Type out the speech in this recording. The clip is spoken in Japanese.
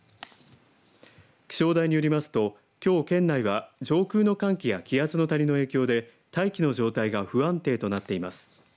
気象台によりますときょう県内は上空の寒気や気圧の谷の影響で大気の状態が不安定となっています。